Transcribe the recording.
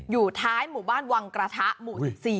อยู่ท้ายหมู่บ้านวังกระทะหมู่๑๔